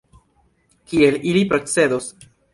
Kiel ili procedos?